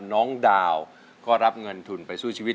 น้องดาวก็รับเงินทุนไปสู้ชีวิต